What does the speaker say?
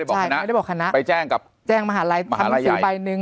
บอกคณะไม่ได้บอกคณะไปแจ้งกับแจ้งมหาลัยทำหนังสือใบหนึ่ง